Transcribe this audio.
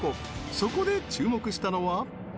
そこで、注目したのは。